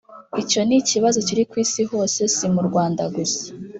icyo ni ikibazo kiri ku isi hose si mu rwanda gusa;